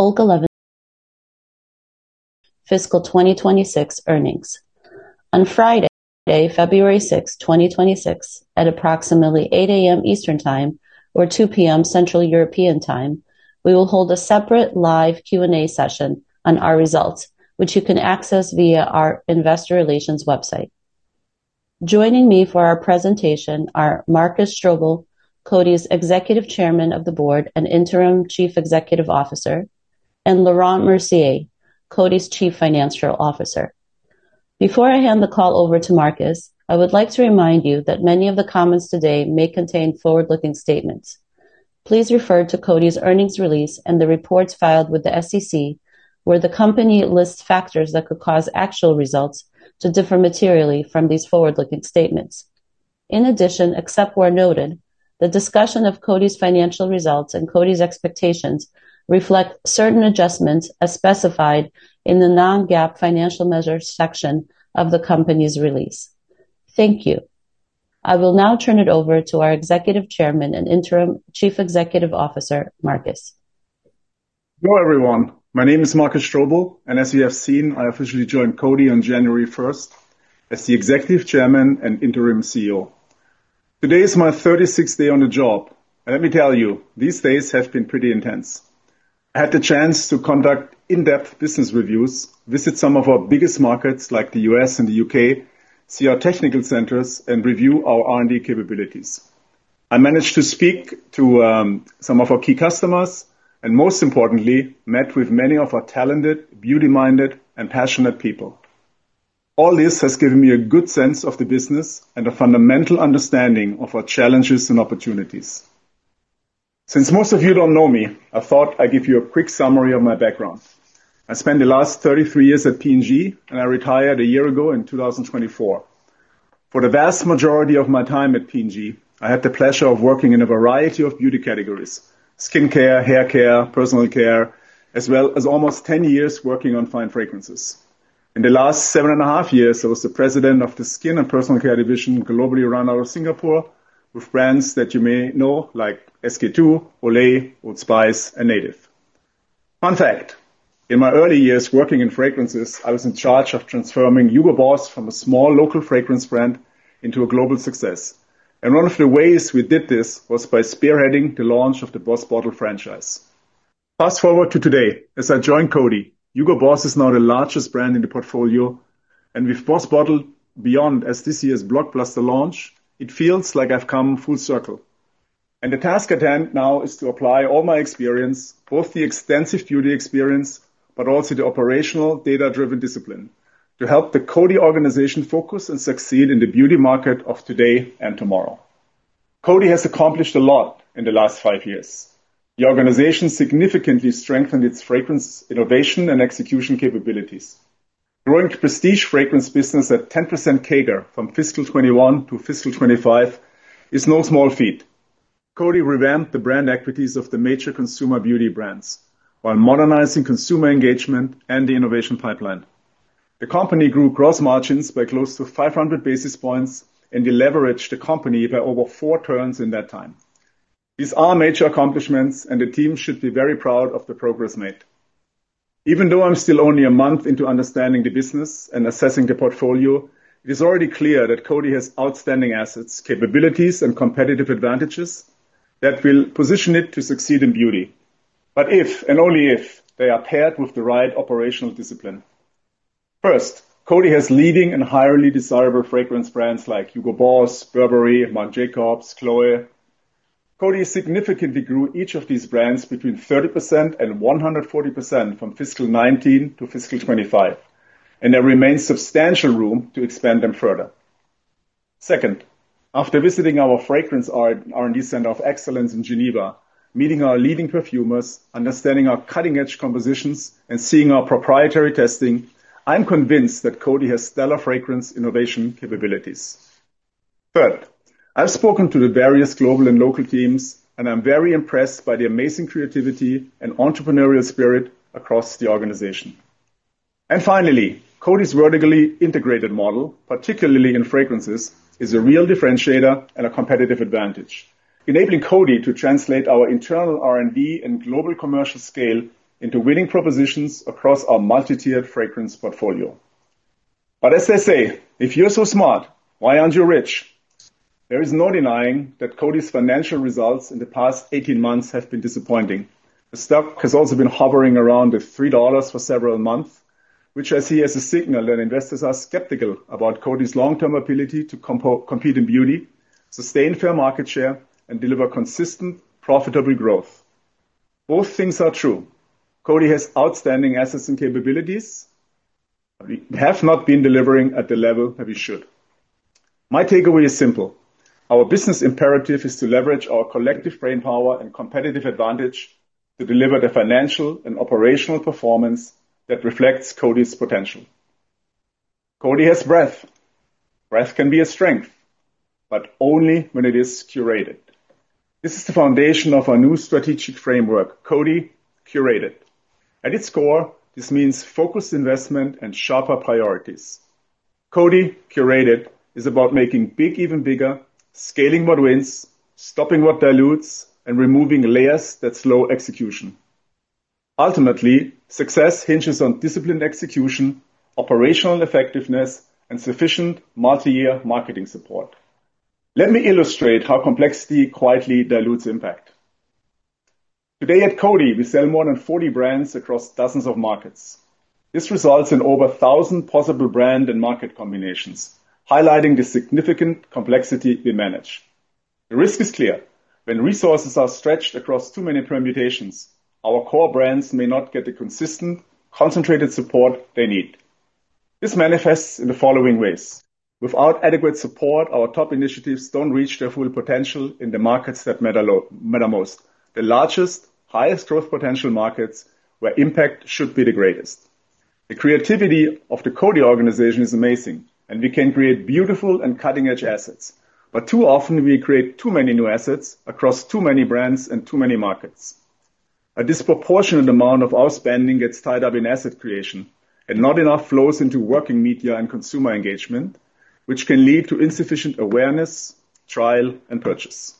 Following fiscal 2026 earnings. On Friday, February 6, 2026, at approximately 8:00 A.M. Eastern Time or 2:00 P.M. Central European Time, we will hold a separate live Q&A session on our results, which you can access via our investor relations website. Joining me for our presentation are Markus Strobel, Coty's Executive Chairman of the Board and Interim Chief Executive Officer, and Laurent Mercier, Coty's Chief Financial Officer. Before I hand the call over to Markus, I would like to remind you that many of the comments today may contain forward-looking statements. Please refer to Coty's earnings release and the reports filed with the SEC, where the company lists factors that could cause actual results to differ materially from these forward-looking statements. In addition, except where noted, the discussion of Coty's financial results and Coty's expectations reflect certain adjustments as specified in the Non-GAAP financial measures section of the company's release. Thank you. I will now turn it over to our Executive Chairman and Interim Chief Executive Officer, Markus. Hello, everyone. My name is Markus Strobel, and as you have seen, I officially joined Coty on January first as the Executive Chairman and Interim CEO. Today is my thirty-sixth day on the job, and let me tell you, these days have been pretty intense. I had the chance to conduct in-depth business reviews, visit some of our biggest markets, like the U.S. and the U.K., see our technical centers, and review our R&D capabilities. I managed to speak to some of our key customers and most importantly, met with many of our talented, beauty-minded, and passionate people. All this has given me a good sense of the business and a fundamental understanding of our challenges and opportunities. Since most of you don't know me, I thought I'd give you a quick summary of my background. I spent the last 33 years at P&G, and I retired a year ago in 2024. For the vast majority of my time at P&G, I had the pleasure of working in a variety of beauty categories: skincare, haircare, personal care, as well as almost 10 years working on fine fragrances. In the last seven and a half years, I was the president of the Skin and Personal Care division, globally run out of Singapore, with brands that you may know, like SK-II, Olay, Old Spice, and Native. Fun fact, in my early years working in fragrances, I was in charge of transforming Hugo Boss from a small local fragrance brand into a global success. And one of the ways we did this was by spearheading the launch of the BOSS Bottled franchise. Fast-forward to today, as I joined Coty, Hugo Boss is now the largest brand in the portfolio, and with BOSS Bottled Beyond as this year's blockbuster launch, it feels like I've come full circle. The task at hand now is to apply all my experience, both the extensive beauty experience, but also the operational data-driven discipline, to help the Coty organization focus and succeed in the beauty market of today and tomorrow. Coty has accomplished a lot in the last 5 years. The organization significantly strengthened its fragrance, innovation, and execution capabilities. Growing prestige fragrance business at 10% CAGR from fiscal 2021 to fiscal 2025 is no small feat. Coty revamped the brand equities of the major consumer beauty brands while modernizing consumer engagement and the innovation pipeline. The company grew gross margins by close to 500 basis points and leveraged the company by over four turns in that time. These are major accomplishments, and the team should be very proud of the progress made. Even though I'm still only a month into understanding the business and assessing the portfolio, it is already clear that Coty has outstanding assets, capabilities, and competitive advantages that will position it to succeed in beauty, but if, and only if, they are paired with the right operational discipline. First, Coty has leading and highly desirable fragrance brands like Hugo Boss, Burberry, Marc Jacobs, Chloé. Coty significantly grew each of these brands between 30% and 140% from fiscal 2019 to fiscal 2025, and there remains substantial room to expand them further. Second, after visiting our fragrance R&D Center of Excellence in Geneva, meeting our leading perfumers, understanding our cutting-edge compositions, and seeing our proprietary testing, I'm convinced that Coty has stellar fragrance innovation capabilities. Third, I've spoken to the various global and local teams, and I'm very impressed by the amazing creativity and entrepreneurial spirit across the organization. And finally, Coty's vertically integrated model, particularly in fragrances, is a real differentiator and a competitive advantage, enabling Coty to translate our internal R&D and global commercial scale into winning propositions across our multi-tiered fragrance portfolio. But as they say, "If you're so smart, why aren't you rich?" There is no denying that Coty's financial results in the past 18 months have been disappointing. The stock has also been hovering around $3 for several months, which I see as a signal that investors are skeptical about Coty's long-term ability to compete in beauty, sustain fair market share, and deliver consistent, profitable growth. Both things are true. Coty has outstanding assets and capabilities, but we have not been delivering at the level that we should. My takeaway is simple: Our business imperative is to leverage our collective brainpower and competitive advantage to deliver the financial and operational performance that reflects Coty's potential. Coty has breadth. Breadth can be a strength, but only when it is curated. This is the foundation of our new strategic framework, Coty Curated. At its core, this means focused investment and sharper priorities. Coty Curated is about making big even bigger, scaling what wins, stopping what dilutes, and removing layers that slow execution. Ultimately, success hinges on disciplined execution, operational effectiveness, and sufficient multi-year marketing support. Let me illustrate how complexity quietly dilutes impact. Today at Coty, we sell more than 40 brands across dozens of markets. This results in over 1,000 possible brand and market combinations, highlighting the significant complexity we manage. The risk is clear. When resources are stretched across too many permutations, our core brands may not get the consistent, concentrated support they need. This manifests in the following ways: Without adequate support, our top initiatives don't reach their full potential in the markets that matter most, the largest, highest growth potential markets, where impact should be the greatest. The creativity of the Coty organization is amazing, and we can create beautiful and cutting-edge assets, but too often we create too many new assets across too many brands and too many markets. A disproportionate amount of our spending gets tied up in asset creation, and not enough flows into working media and consumer engagement, which can lead to insufficient awareness, trial, and purchase.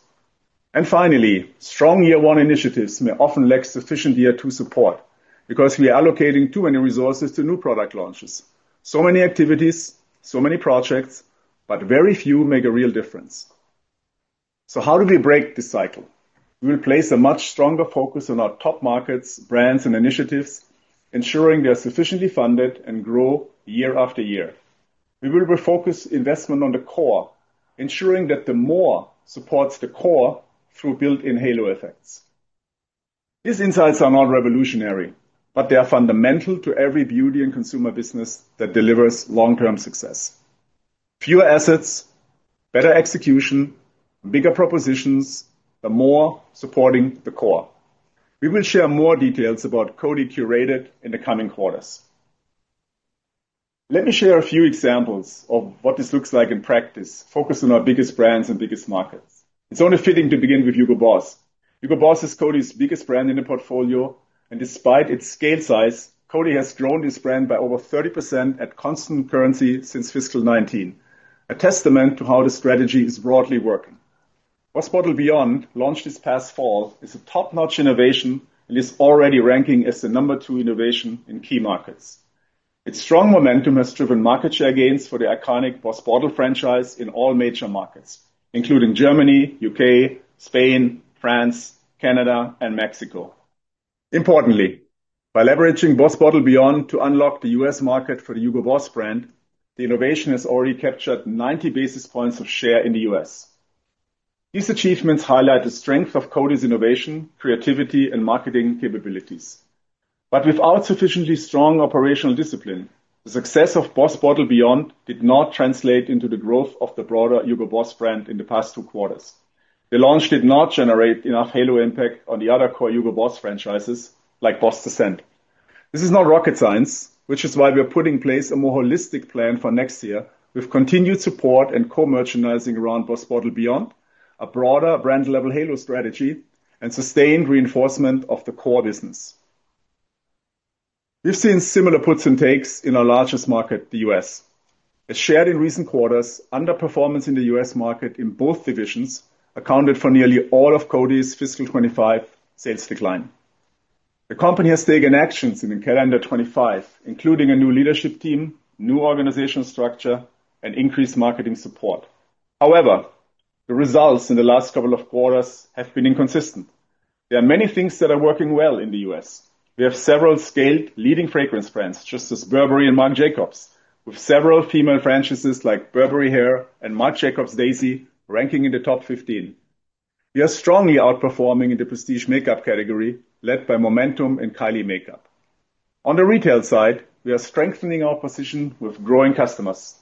And finally, strong year one initiatives may often lack sufficient year two support because we are allocating too many resources to new product launches. So many activities, so many projects, but very few make a real difference. So how do we break this cycle? We will place a much stronger focus on our top markets, brands, and initiatives, ensuring they are sufficiently funded and grow year after year. We will refocus investment on the core, ensuring that the more supports the core through built-in halo effects. These insights are not revolutionary, but they are fundamental to every beauty and consumer business that delivers long-term success. Fewer assets, better execution, bigger propositions, the more supporting the core. We will share more details about Coty Curated in the coming quarters. Let me share a few examples of what this looks like in practice, focused on our biggest brands and biggest markets. It's only fitting to begin with Hugo Boss. Hugo Boss is Coty's biggest brand in the portfolio, and despite its scale size, Coty has grown this brand by over 30% at constant currency since fiscal 2019. A testament to how the strategy is broadly working. BOSS Bottled Beyond, launched this past fall, is a top-notch innovation and is already ranking as the number two innovation in key markets. Its strong momentum has driven market share gains for the iconic BOSS Bottled franchise in all major markets, including Germany, U.K., Spain, France, Canada, and Mexico. Importantly, by leveraging BOSS Bottled Beyond to unlock the U.S. market for the Hugo Boss brand, the innovation has already captured 90 basis points of share in the U.S. These achievements highlight the strength of Coty's innovation, creativity, and marketing capabilities. But without sufficiently strong operational discipline, the success of BOSS Bottled Beyond did not translate into the growth of the broader Hugo Boss brand in the past two quarters. The launch did not generate enough halo impact on the other core Hugo Boss franchises like BOSS The Scent. This is not rocket science, which is why we are putting in place a more holistic plan for next year with continued support and co-merchandising around BOSS Bottled Beyond, a broader brand-level halo strategy, and sustained reinforcement of the core business. We've seen similar puts and takes in our largest market, the U.S. As shared in recent quarters, underperformance in the U.S. market in both divisions accounted for nearly all of Coty's fiscal 2025 sales decline. The company has taken actions in calendar 2025, including a new leadership team, new organizational structure, and increased marketing support. However, the results in the last couple of quarters have been inconsistent. There are many things that are working well in the U.S. We have several scaled leading fragrance brands, such as Burberry and Marc Jacobs, with several female franchises like Burberry Her and Marc Jacobs Daisy ranking in the top 15. We are strongly outperforming in the prestige makeup category, led by momentum and Kylie Cosmetics. On the retail side, we are strengthening our position with growing customers.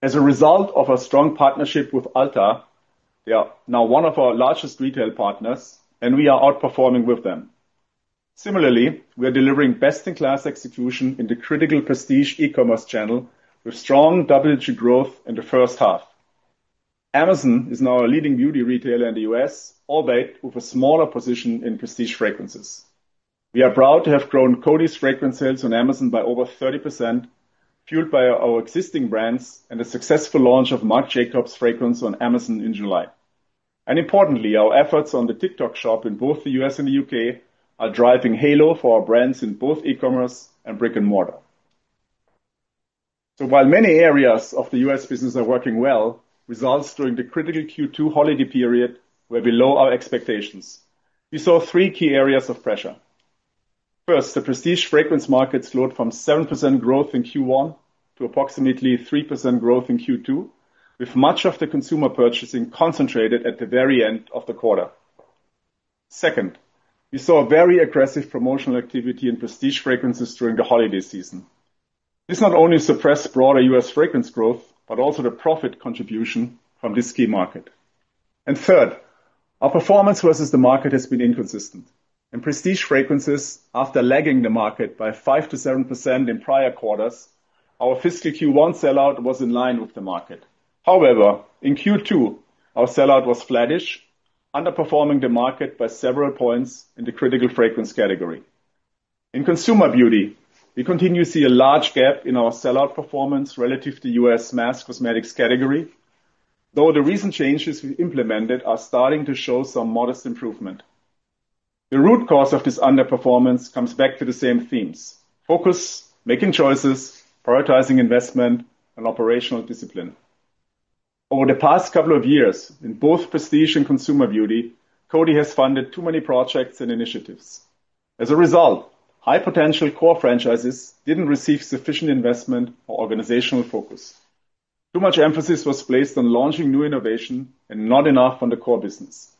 As a result of our strong partnership with Ulta, they are now one of our largest retail partners, and we are outperforming with them. Similarly, we are delivering best-in-class execution in the critical prestige e-commerce channel, with strong double-digit growth in the first half. Amazon is now a leading beauty retailer in the U.S., albeit with a smaller position in prestige fragrances. We are proud to have grown Coty's fragrance sales on Amazon by over 30%, fueled by our existing brands and the successful launch of Marc Jacobs fragrance on Amazon in July. And importantly, our efforts on the TikTok Shop in both the U.S. and the U.K. are driving halo for our brands in both e-commerce and brick-and-mortar. So while many areas of the U.S. business are working well, results during the critical Q2 holiday period were below our expectations. We saw three key areas of pressure. First, the prestige fragrance market slowed from 7% growth in Q1 to approximately 3% growth in Q2, with much of the consumer purchasing concentrated at the very end of the quarter. Second, we saw a very aggressive promotional activity in prestige fragrances during the holiday season. This not only suppressed broader U.S. fragrance growth, but also the profit contribution from this key market. Third, our performance versus the market has been inconsistent. In prestige fragrances, after lagging the market by 5% to 7% in prior quarters, our fiscal Q1 sellout was in line with the market. However, in Q2, our sellout was flattish, underperforming the market by several points in the critical fragrance category. In consumer beauty, we continue to see a large gap in our sellout performance relative to U.S. mass cosmetics category, though the recent changes we implemented are starting to show some modest improvement. The root cause of this underperformance comes back to the same themes: focus, making choices, prioritizing investment, and operational discipline. Over the past couple of years, in both prestige and consumer beauty, Coty has funded too many projects and initiatives. As a result, high potential core franchises didn't receive sufficient investment or organizational focus. Too much emphasis was placed on launching new innovation and not enough on the core business.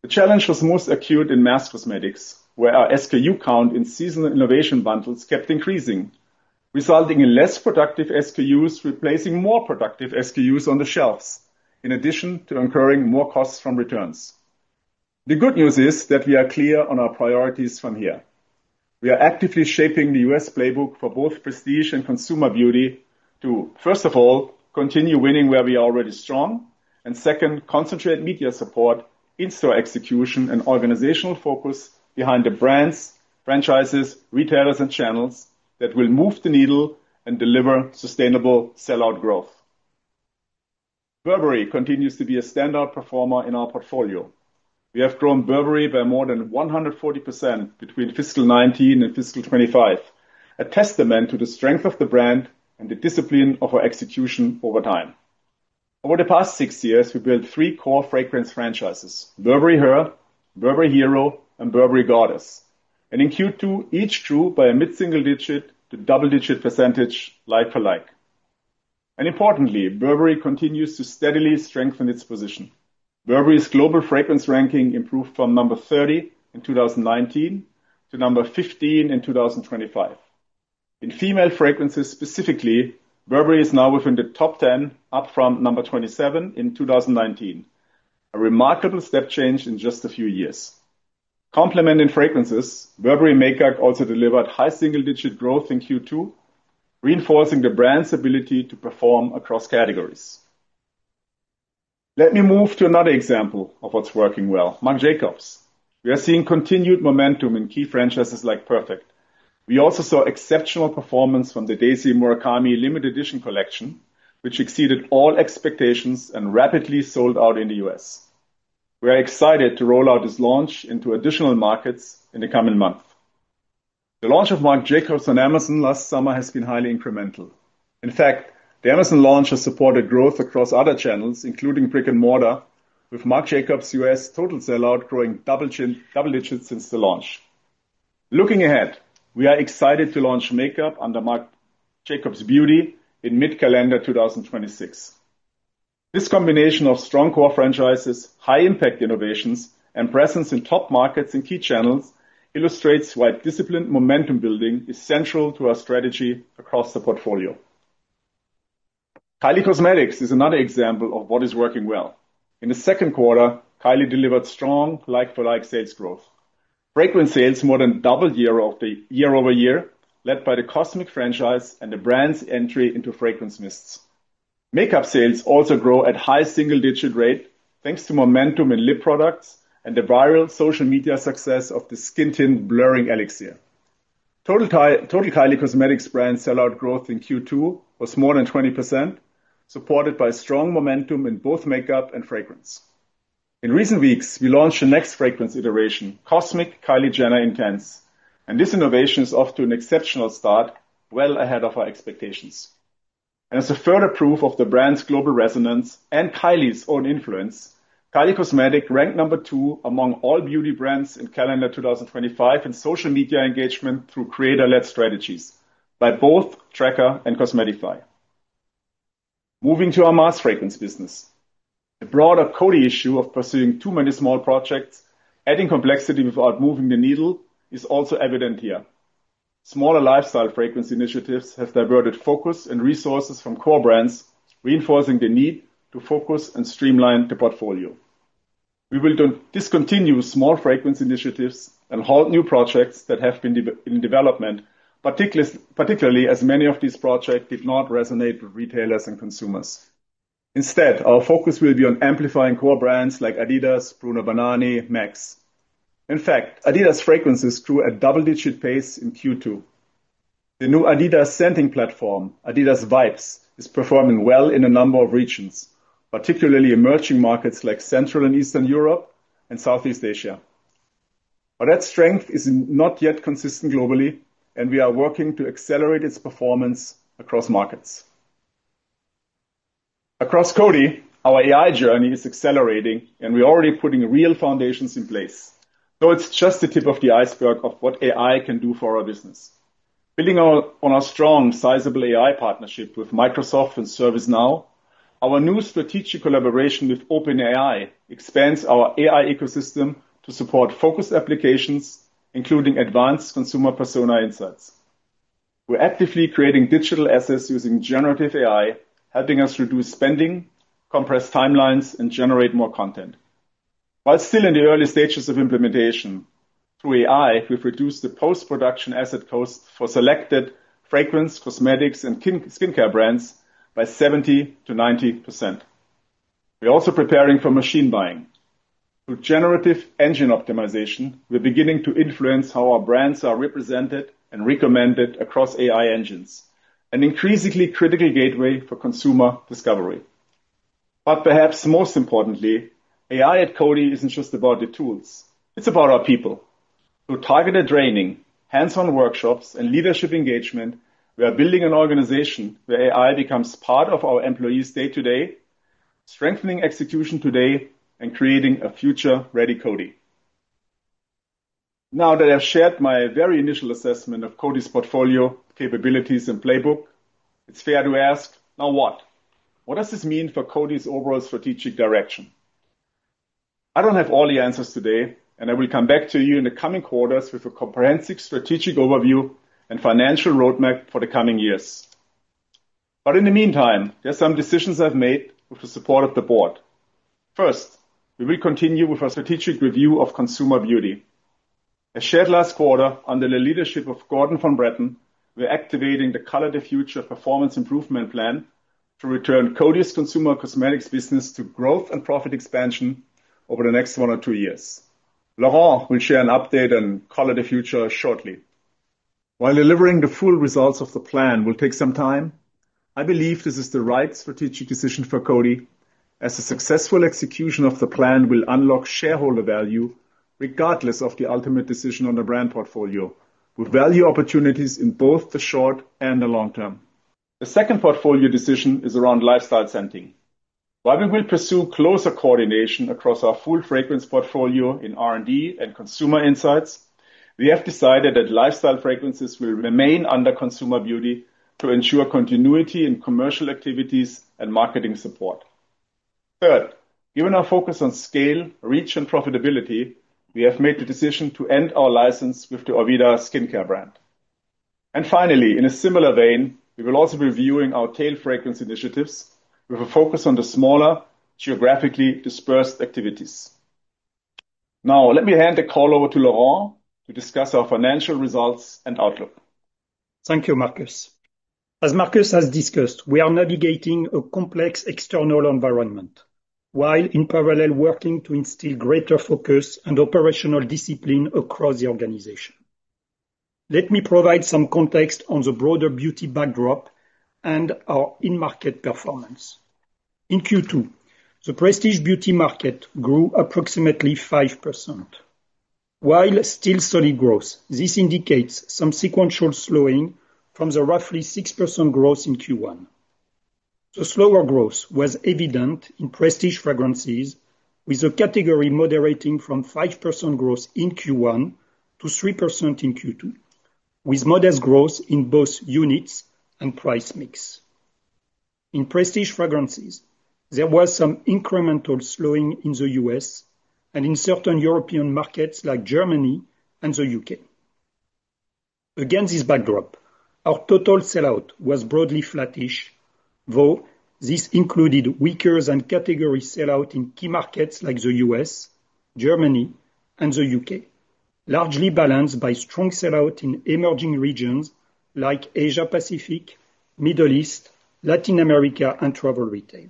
The challenge was most acute in mass cosmetics, where our SKU count in seasonal innovation bundles kept increasing, resulting in less productive SKUs, replacing more productive SKUs on the shelves, in addition to incurring more costs from returns. The good news is that we are clear on our priorities from here. We are actively shaping the U.S. playbook for both prestige and consumer beauty to, first of all, continue winning where we are already strong, and second, concentrate media support in-store execution and organizational focus behind the brands, franchises, retailers, and channels that will move the needle and deliver sustainable sellout growth. Burberry continues to be a standout performer in our portfolio. We have grown Burberry by more than 140% between fiscal 2019 and fiscal 2025, a testament to the strength of the brand and the discipline of our execution over time. Over the past six years, we built three core fragrance franchises, Burberry Her, Burberry Hero, and Burberry Goddess, and in Q2, each grew by a mid-single-digit to double-digit percentage like-for-like. Importantly, Burberry continues to steadily strengthen its position. Burberry's global fragrance ranking improved from 30 in 2019 to 15 in 2025. In female fragrances, specifically, Burberry is now within the top 10, up from 27 in 2019, a remarkable step change in just a few years. Complementing fragrances, Burberry makeup also delivered high single-digit growth in Q2, reinforcing the brand's ability to perform across categories. Let me move to another example of what's working well, Marc Jacobs. We are seeing continued momentum in key franchises like Perfect. We also saw exceptional performance from the Daisy Murakami limited edition collection, which exceeded all expectations and rapidly sold out in the US. We are excited to roll out this launch into additional markets in the coming month. The launch of Marc Jacobs on Amazon last summer has been highly incremental. In fact, the Amazon launch has supported growth across other channels, including brick-and-mortar, with Marc Jacobs' US total sell-out growing double digits since the launch. Looking ahead, we are excited to launch makeup under Marc Jacobs Beauty in mid-calendar 2026. This combination of strong core franchises, high-impact innovations, and presence in top markets and key channels illustrates why disciplined momentum building is central to our strategy across the portfolio. Kylie Cosmetics is another example of what is working well. In the second quarter, Kylie delivered strong like-for-like sales growth. Fragrance sales more than doubled year-over-year, led by the Cosmic franchise and the brand's entry into fragrance mists. Makeup sales also grow at high single-digit rate, thanks to momentum in lip products and the viral social media success of the Skin Tint Blurring Elixir. Total Kylie Cosmetics brand sell-out growth in Q2 was more than 20%, supported by strong momentum in both makeup and fragrance. In recent weeks, we launched the next fragrance iteration, Cosmic Kylie Jenner Intense, and this innovation is off to an exceptional start, well ahead of our expectations. And as a further proof of the brand's global resonance and Kylie's own influence, Kylie Cosmetics ranked number two among all beauty brands in calendar 2025 in social media engagement through creator-led strategies by both Traackr and Cosmetify. Moving to our mass fragrance business, the broader Coty issue of pursuing too many small projects, adding complexity without moving the needle, is also evident here. Smaller lifestyle fragrance initiatives have diverted focus and resources from core brands, reinforcing the need to focus and streamline the portfolio. We will discontinue small fragrance initiatives and halt new projects that have been in development, particularly as many of these projects did not resonate with retailers and consumers. Instead, our focus will be on amplifying core brands like adidas, Bruno Banani, Mexx. In fact, adidas fragrances grew at double-digit pace in Q2. The new adidas scenting platform, adidas Vibes, is performing well in a number of regions, particularly emerging markets like Central and Eastern Europe and Southeast Asia. But that strength is not yet consistent globally, and we are working to accelerate its performance across markets. Across Coty, our AI journey is accelerating, and we're already putting real foundations in place, though it's just the tip of the iceberg of what AI can do for our business. Building on our strong, sizable AI partnership with Microsoft and ServiceNow, our new strategic collaboration with OpenAI expands our AI ecosystem to support focused applications, including advanced consumer persona insights. We're actively creating digital assets using generative AI, helping us reduce spending, compress timelines, and generate more content. While still in the early stages of implementation, through AI, we've reduced the post-production asset cost for selected fragrance, cosmetics, and skin, skincare brands by 70% to 90%. We're also preparing for machine buying. Through Generative Engine Optimization, we're beginning to influence how our brands are represented and recommended across AI engines, an increasingly critical gateway for consumer discovery. But perhaps most importantly, AI at Coty isn't just about the tools, it's about our people. Through targeted training, hands-on workshops, and leadership engagement, we are building an organization where AI becomes part of our employees' day-to-day, strengthening execution today and creating a future-ready Coty. Now that I've shared my very initial assessment of Coty's portfolio, capabilities, and playbook, it's fair to ask, now what? What does this mean for Coty's overall strategic direction? I don't have all the answers today, and I will come back to you in the coming quarters with a comprehensive strategic overview and financial roadmap for the coming years. But in the meantime, there are some decisions I've made with the support of the board. First, we will continue with our strategic review of consumer beauty. As shared last quarter, under the leadership of Gordon von Bretten, we're activating the Color the Future performance improvement plan to return Coty's consumer cosmetics business to growth and profit expansion over the next one or two years. Laurent will share an update on Color the Future shortly. While delivering the full results of the plan will take some time, I believe this is the right strategic decision for Coty, as the successful execution of the plan will unlock shareholder value, regardless of the ultimate decision on the brand portfolio, with value opportunities in both the short and the long term. The second portfolio decision is around lifestyle scenting. While we will pursue closer coordination across our full fragrance portfolio in R&D and consumer insights, we have decided that lifestyle fragrances will remain under consumer beauty to ensure continuity in commercial activities and marketing support. Third, given our focus on scale, reach, and profitability, we have made the decision to end our license with the Orveda skincare brand. And finally, in a similar vein, we will also be reviewing our tail fragrance initiatives with a focus on the smaller, geographically dispersed activities. Now, let me hand the call over to Laurent to discuss our financial results and outlook. Thank you, Markus. As Markus has discussed, we are navigating a complex external environment, while in parallel, working to instill greater focus and operational discipline across the organization. Let me provide some context on the broader beauty backdrop and our in-market performance. In Q2, the prestige beauty market grew approximately 5%. While still solid growth, this indicates some sequential slowing from the roughly 6% growth in Q1. The slower growth was evident in prestige fragrances, with the category moderating from 5% growth in Q1 to 3% in Q2, with modest growth in both units and price mix. In prestige fragrances, there was some incremental slowing in the U.S. and in certain European markets like Germany and the U.K. Against this backdrop, our total sell-out was broadly flattish, though this included weaker than category sell-out in key markets like the U.S., Germany, and the U.K., largely balanced by strong sell-out in emerging regions like Asia Pacific, Middle East, Latin America, and travel retail.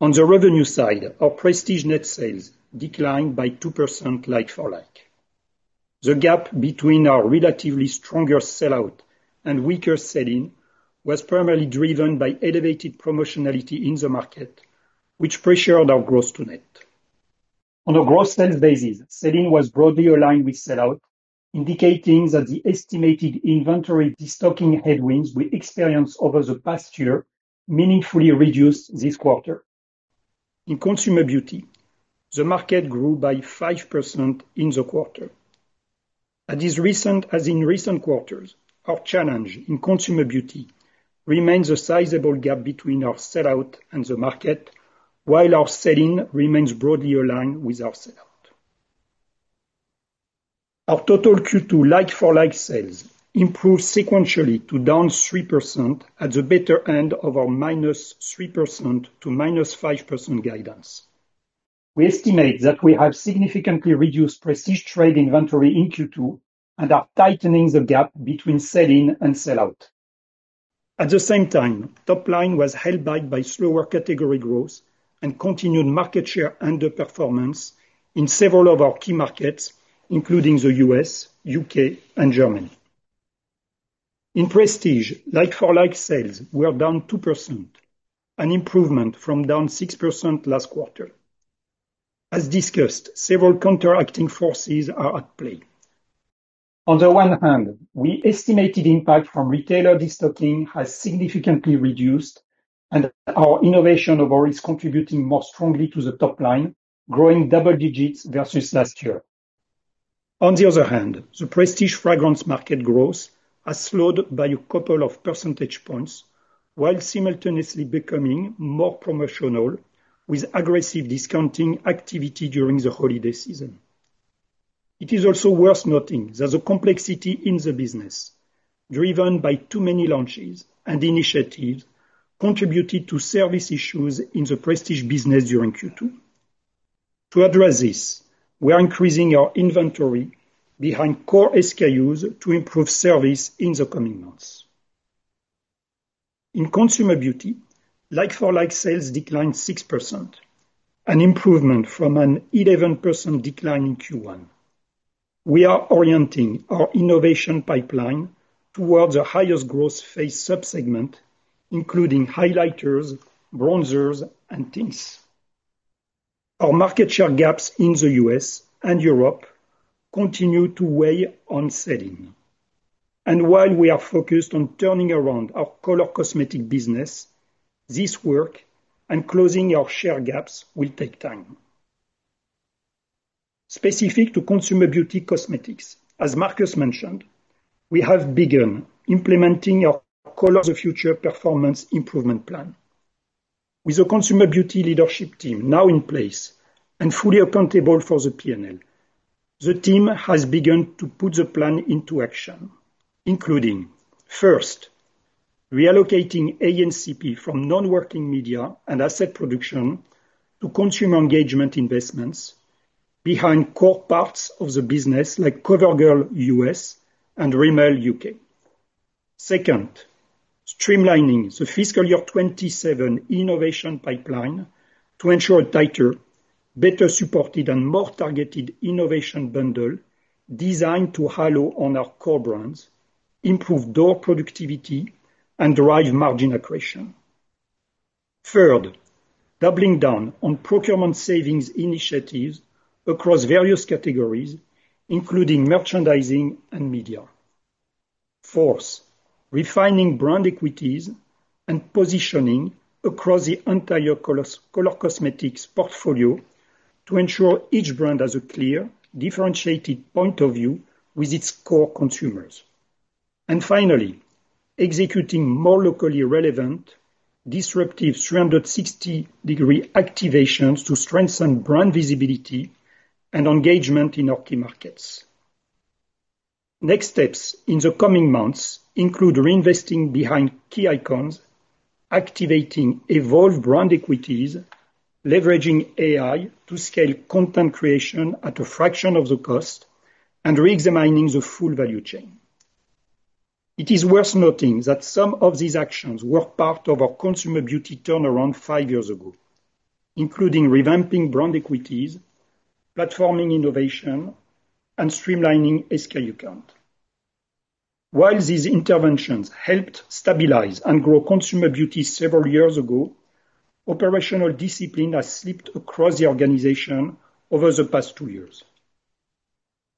On the revenue side, our Prestige net sales declined by 2% like-for-like. The gap between our relatively stronger sell-out and weaker sell-in was primarily driven by elevated promotionality in the market, which pressured our growth to net. On a gross sales basis, sell-in was broadly aligned with sell-out, indicating that the estimated inventory destocking headwinds we experienced over the past year meaningfully reduced this quarter. In consumer beauty, the market grew by 5% in the quarter. As in recent quarters, our challenge in consumer beauty remains a sizable gap between our sell-out and the market, while our sell-in remains broadly aligned with our sell-out. Our total Q2 like-for-like sales improved sequentially to down 3% at the better end of our -3% to -5% guidance. We estimate that we have significantly reduced Prestige trade inventory in Q2 and are tightening the gap between sell-in and sell-out. At the same time, top line was held back by slower category growth and continued market share underperformance in several of our key markets, including the U.S., U.K., and Germany. In Prestige, like-for-like sales were down 2%, an improvement from down 6% last quarter. As discussed, several counteracting forces are at play. On the one hand, we estimated impact from retailer destocking has significantly reduced, and our innovation overall is contributing more strongly to the top line, growing double digits versus last year. On the other hand, the Prestige fragrance market growth has slowed by a couple of percentage points while simultaneously becoming more promotional with aggressive discounting activity during the holiday season. It is also worth noting that the complexity in the business, driven by too many launches and initiatives, contributed to service issues in the Prestige business during Q2. To address this, we are increasing our inventory behind core SKUs to improve service in the coming months. In Consumer Beauty, Like-for-Like sales declined 6%, an improvement from an 11% decline in Q1. We are orienting our innovation pipeline towards the highest growth face subsegment, including highlighters, bronzers, and tints. Our market share gaps in the U.S. and Europe continue to weigh on selling. While we are focused on turning around our color cosmetic business, this work and closing our share gaps will take time. Specific to consumer beauty cosmetics, as Markus mentioned, we have begun implementing our Color the Future performance improvement plan. With the consumer beauty leadership team now in place and fully accountable for the P&L, the team has begun to put the plan into action, including, first, reallocating A&CP from non-working media and asset production to consumer engagement investments behind core parts of the business, like CoverGirl U.S. and Rimmel U.K. Second, streamlining the fiscal year 2027 innovation pipeline to ensure a tighter, better supported, and more targeted innovation bundle designed to highlight on our core brands, improve door productivity, and drive margin accretion. Third, doubling down on procurement savings initiatives across various categories, including merchandising and media. Fourth, refining brand equities and positioning across the entire color cosmetics portfolio to ensure each brand has a clear, differentiated point of view with its core consumers. And finally, executing more locally relevant, disruptive 360-degree activations to strengthen brand visibility and engagement in our key markets. Next steps in the coming months include reinvesting behind key icons, activating evolved brand equities, leveraging AI to scale content creation at a fraction of the cost, and reexamining the full value chain. It is worth noting that some of these actions were part of our consumer beauty turnaround five years ago, including revamping brand equities, platforming innovation, and streamlining SKU count. While these interventions helped stabilize and grow consumer beauty several years ago, operational discipline has slipped across the organization over the past 2 years.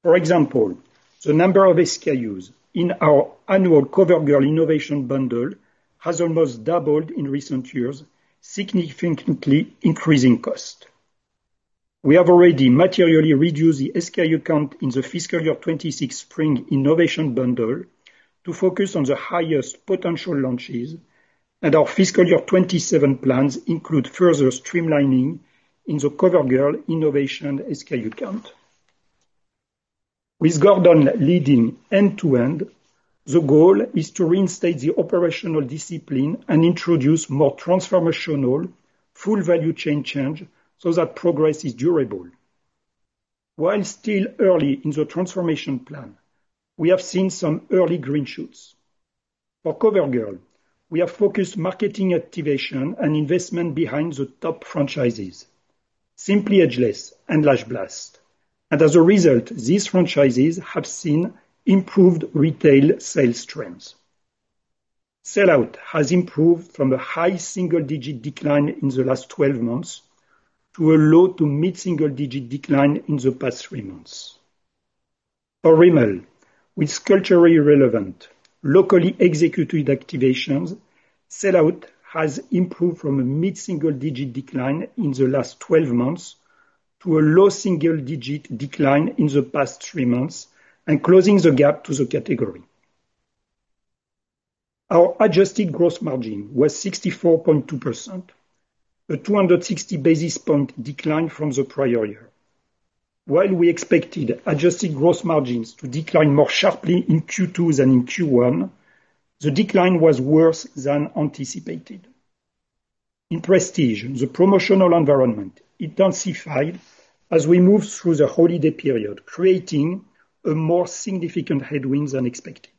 For example, the number of SKUs in our annual CoverGirl innovation bundle has almost doubled in recent years, significantly increasing cost. We have already materially reduced the SKU count in the fiscal year 2026 spring innovation bundle to focus on the highest potential launches, and our fiscal year 2027 plans include further streamlining in the CoverGirl innovation SKU count. With Gordon leading end-to-end, the goal is to reinstate the operational discipline and introduce more transformational, full value chain change so that progress is durable. While still early in the transformation plan, we have seen some early green shoots. For CoverGirl, we have focused marketing activation and investment behind the top franchises, Simply Ageless and Lash Blast. As a result, these franchises have seen improved retail sales trends. Sell-out has improved from a high single-digit decline in the last 12 months to a low- to mid-single-digit decline in the past three months. For Rimmel, with culturally relevant, locally executed activations, sell-out has improved from a mid-single-digit decline in the last 12 months to a low single-digit decline in the past three months, and closing the gap to the category. Our adjusted gross margin was 64.2%, a 260 basis point decline from the prior year. While we expected adjusted gross margins to decline more sharply in Q2 than in Q1, the decline was worse than anticipated. In prestige, the promotional environment intensified as we moved through the holiday period, creating a more significant headwind than expected.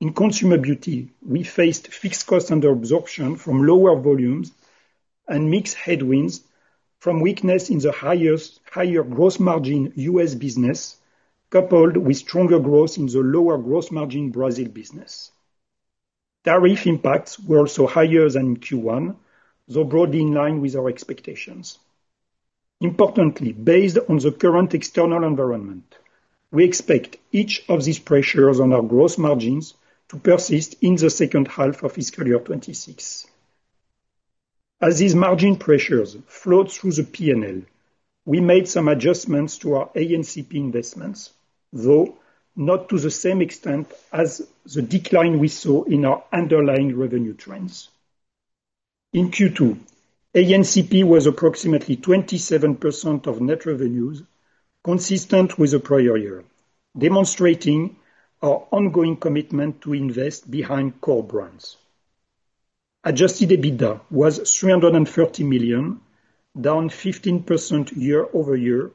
In consumer beauty, we faced fixed cost under absorption from lower volumes and mix headwinds from weakness in the highest, higher gross margin US business, coupled with stronger growth in the lower gross margin Brazil business. Tariff impacts were also higher than in Q1, though broadly in line with our expectations. Importantly, based on the current external environment, we expect each of these pressures on our gross margins to persist in the second half of fiscal year 2026. As these margin pressures flowed through the P&L, we made some adjustments to our A&CP investments, though not to the same extent as the decline we saw in our underlying revenue trends. In Q2, A&CP was approximately 27% of net revenues, consistent with the prior year, demonstrating our ongoing commitment to invest behind core brands. Adjusted EBITDA was $330 million, down 15% year-over-year,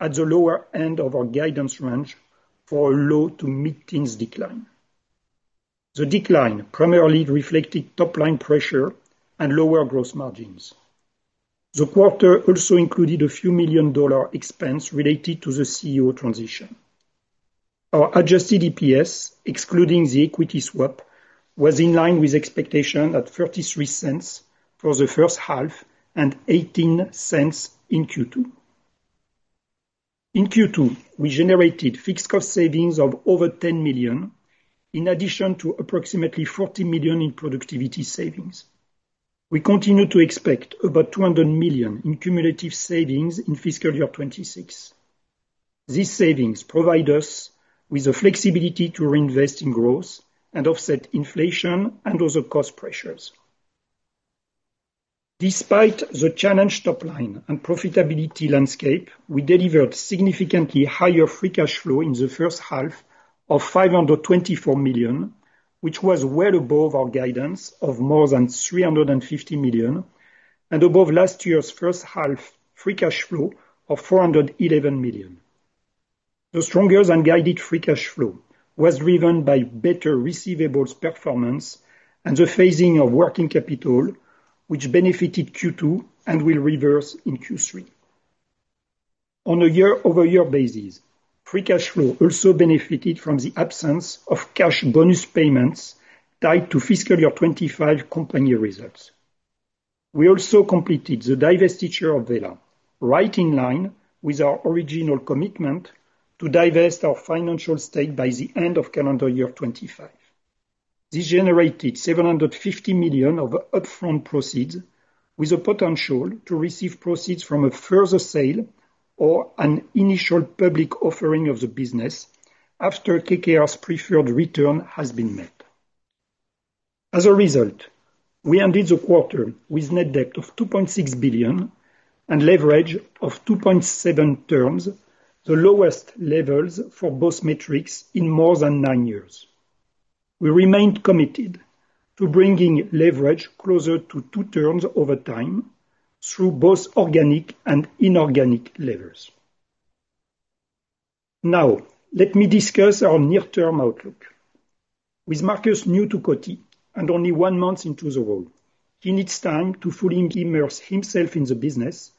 at the lower end of our guidance range for a low- to mid-teens decline. The decline primarily reflected top-line pressure and lower gross margins. The quarter also included a $ few million-dollar expense related to the CEO transition. Our Adjusted EPS, excluding the equity swap, was in line with expectation at $0.33 for the first half and $0.18 in Q2. In Q2, we generated fixed cost savings of over $10 million, in addition to approximately $40 million in productivity savings. We continue to expect about $200 million in cumulative savings in fiscal year 2026. These savings provide us with the flexibility to reinvest in growth and offset inflation and other cost pressures. Despite the challenged top line and profitability landscape, we delivered significantly higher free cash flow in the first half of $524 million, which was well above our guidance of more than $350 million, and above last year's first half free cash flow of $411 million. The stronger than guided free cash flow was driven by better receivables performance and the phasing of working capital, which benefited Q2 and will reverse in Q3. On a year-over-year basis, free cash flow also benefited from the absence of cash bonus payments tied to fiscal year 2025 company results. We also completed the divestiture of Wella, right in line with our original commitment to divest our financial stake by the end of calendar year 2025. This generated $750 million of upfront proceeds, with a potential to receive proceeds from a further sale or an initial public offering of the business after KKR's preferred return has been met. As a result, we ended the quarter with net debt of $2.6 billion and leverage of 2.7 turns, the lowest levels for both metrics in more than nine years. We remained committed to bringing leverage closer to two turns over time through both organic and inorganic levers. Now, let me discuss our near-term outlook. With Markus new to Coty and only 1 month into the role, he needs time to fully immerse himself in the business,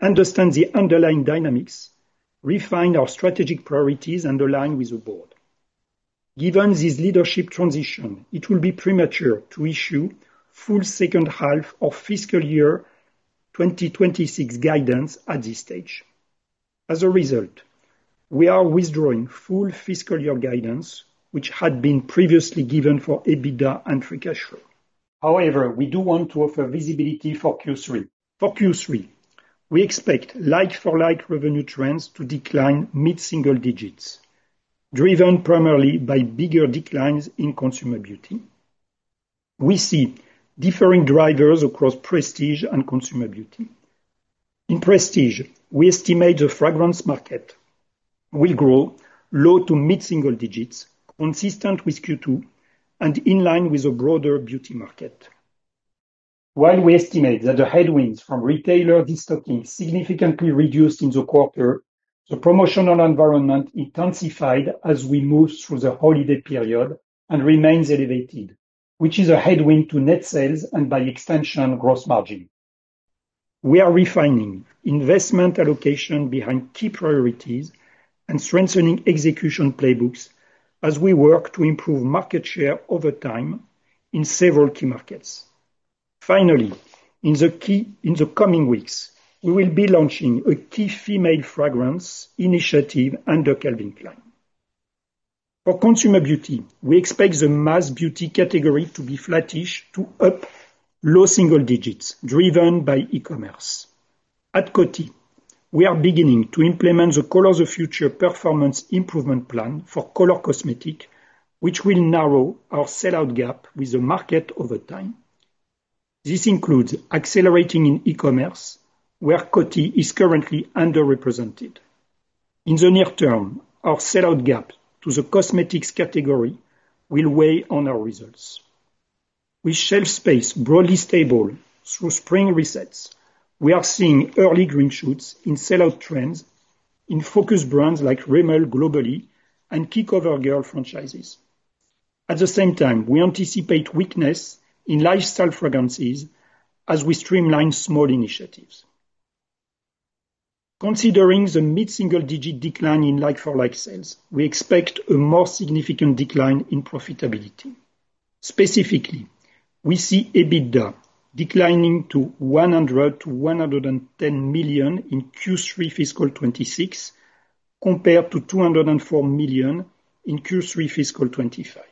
understand the underlying dynamics, refine our strategic priorities, and align with the board. Given this leadership transition, it will be premature to issue full second half of fiscal year 2026 guidance at this stage. As a result, we are withdrawing full fiscal year guidance, which had been previously given for EBITDA and free cash flow. However, we do want to offer visibility for Q3. For Q3, we expect like-for-like revenue trends to decline mid-single digits, driven primarily by bigger declines in consumer beauty. We see differing drivers across prestige and consumer beauty. In prestige, we estimate the fragrance market will grow low to mid-single digits, consistent with Q2 and in line with the broader beauty market. While we estimate that the headwinds from retailer destocking significantly reduced in the quarter, the promotional environment intensified as we move through the holiday period and remains elevated, which is a headwind to net sales and by extension, gross margin. We are refining investment allocation behind key priorities and strengthening execution playbooks as we work to improve market share over time in several key markets. Finally, in the coming weeks, we will be launching a key female fragrance initiative under Calvin Klein. For consumer beauty, we expect the mass beauty category to be flattish to up low single digits, driven by e-commerce. At Coty, we are beginning to implement the Color the Future performance improvement plan for color cosmetics, which will narrow our sellout gap with the market over time. This includes accelerating in e-commerce, where Coty is currently underrepresented. In the near term, our sellout gap to the cosmetics category will weigh on our results. With shelf space broadly stable through spring resets, we are seeing early green shoots in sellout trends in focus brands like Rimmel globally and CoverGirl franchises. At the same time, we anticipate weakness in lifestyle fragrances as we streamline small initiatives. Considering the mid-single-digit decline in like-for-like sales, we expect a more significant decline in profitability. Specifically, we see EBITDA declining to $100 million-$110 million in Q3 fiscal 2026, compared to $204 million in Q3 fiscal 2025.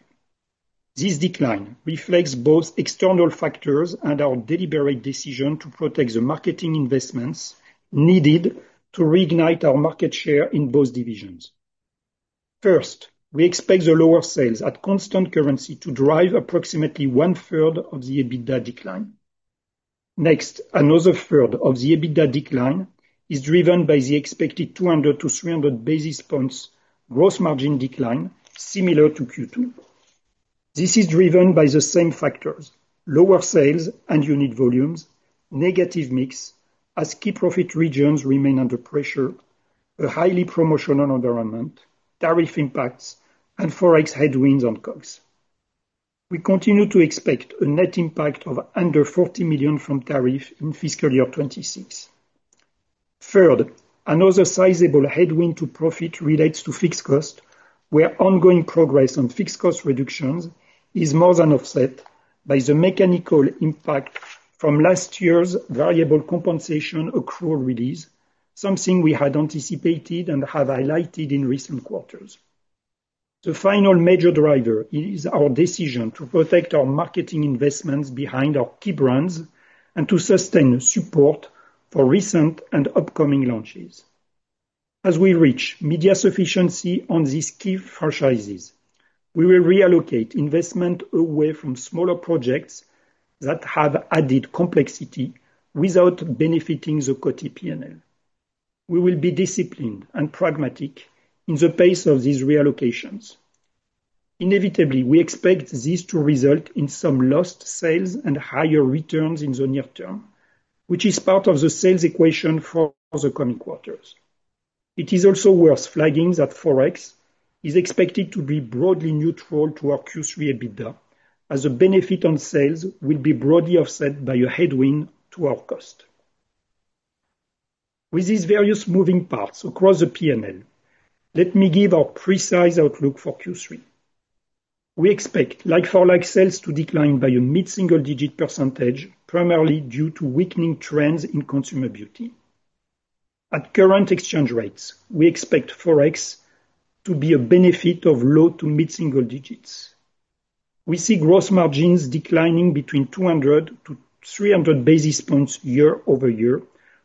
This decline reflects both external factors and our deliberate decision to protect the marketing investments needed to reignite our market share in both divisions. First, we expect the lower sales at constant currency to drive approximately one-third of the EBITDA decline. Next, another third of the EBITDA decline is driven by the expected 200-300 basis points gross margin decline, similar to Q2. This is driven by the same factors: lower sales and unit volumes, negative mix, as key profit regions remain under pressure, a highly promotional environment, tariff impacts, and Forex headwinds on COGS. We continue to expect a net impact of under $40 million from tariff in fiscal year 2026. Third, another sizable headwind to profit relates to fixed cost, where ongoing progress on fixed cost reductions is more than offset by the mechanical impact from last year's variable compensation accrual release, something we had anticipated and have highlighted in recent quarters. The final major driver is our decision to protect our marketing investments behind our key brands and to sustain support for recent and upcoming launches. As we reach media sufficiency on these key franchises, we will reallocate investment away from smaller projects that have added complexity without benefiting the Coty P&L. We will be disciplined and pragmatic in the pace of these reallocations. Inevitably, we expect this to result in some lost sales and higher returns in the near term, which is part of the sales equation for the coming quarters. It is also worth flagging that Forex is expected to be broadly neutral to our Q3 EBITDA, as the benefit on sales will be broadly offset by a headwind to our cost. With these various moving parts across the P&L, let me give our precise outlook for Q3. We expect like-for-like sales to decline by a mid-single-digit percentage, primarily due to weakening trends in consumer beauty. At current exchange rates, we expect Forex to be a benefit of low- to mid-single digits. We see gross margins declining between 200-300 basis points year-over-year,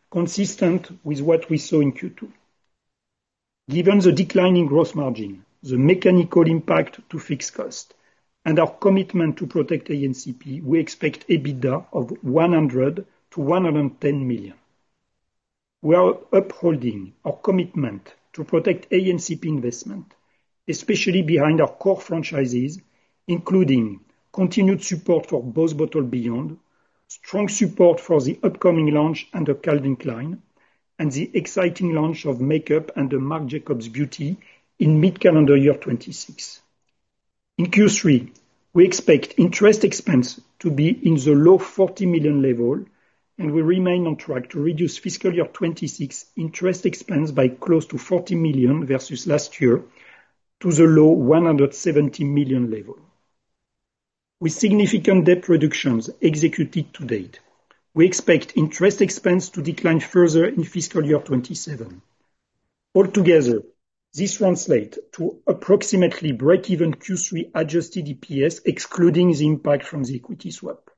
consistent with what we saw in Q2. Given the declining gross margin, the mechanical impact to fixed cost, and our commitment to protect A&CP, we expect EBITDA of $100 million to $110 million. We are upholding our commitment to protect A&CP investment, especially behind our core franchises, including continued support for BOSS Bottled Beyond, strong support for the upcoming launch under Calvin Klein, and the exciting launch of makeup under Marc Jacobs Beauty in mid-calendar year 2026. In Q3, we expect interest expense to be in the low $40 million level, and we remain on track to reduce fiscal year 2026 interest expense by close to $40 million versus last year to the low $170 million level. With significant debt reductions executed to date, we expect interest expense to decline further in fiscal year 2027. Altogether, this translate to approximately breakeven Q3 adjusted EPS, excluding the impact from the equity swap.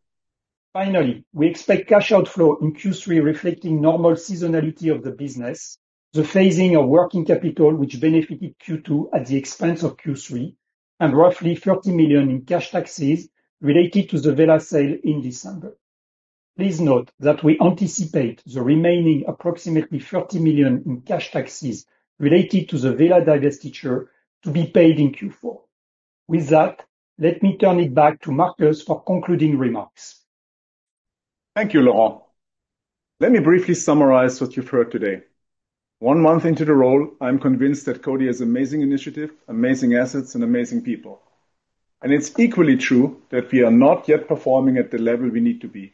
Finally, we expect cash outflow in Q3, reflecting normal seasonality of the business, the phasing of working capital, which benefited Q2 at the expense of Q3, and roughly $30 million in cash taxes related to the Wella sale in December. Please note that we anticipate the remaining approximately $30 million in cash taxes related to the Wella divestiture to be paid in Q4. With that, let me turn it back to Markus for concluding remarks. Thank you, Laurent. Let me briefly summarize what you've heard today. One month into the role, I'm convinced that Coty has amazing initiative, amazing assets, and amazing people, and it's equally true that we are not yet performing at the level we need to be.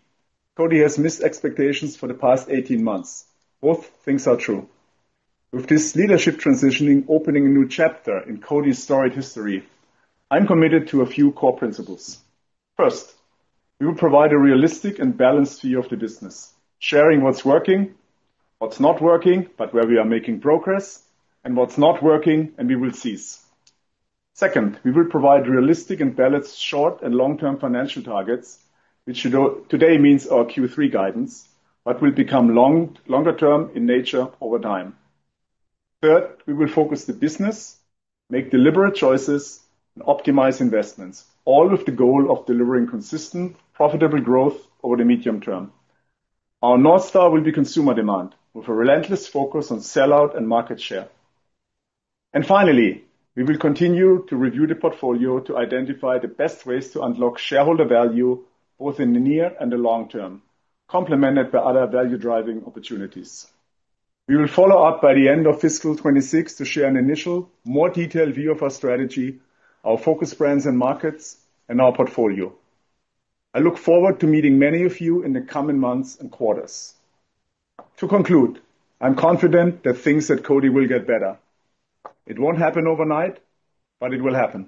Coty has missed expectations for the past 18 months. Both things are true. With this leadership transitioning, opening a new chapter in Coty's storied history, I'm committed to a few core principles. First, we will provide a realistic and balanced view of the business, sharing what's working, what's not working, but where we are making progress, and what's not working, and we will cease. Second, we will provide realistic and balanced short and long-term financial targets, which today means our Q3 guidance, but will become long, longer term in nature over time. Third, we will focus the business, make deliberate choices, and optimize investments, all with the goal of delivering consistent, profitable growth over the medium term. Our North Star will be consumer demand, with a relentless focus on sell-out and market share. And finally, we will continue to review the portfolio to identify the best ways to unlock shareholder value, both in the near and the long term, complemented by other value-driving opportunities. We will follow up by the end of fiscal 2026 to share an initial, more detailed view of our strategy, our focus brands and markets, and our portfolio. I look forward to meeting many of you in the coming months and quarters. To conclude, I'm confident that things at Coty will get better. It won't happen overnight, but it will happen.